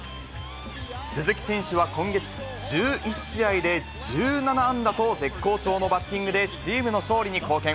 鈴木選手は今月、１１試合で１７安打と絶好調のバッティングでチームの勝利に貢献。